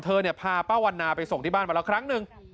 พาป้าวันนาไปส่งที่บ้านมาแล้วครั้งหนึ่ง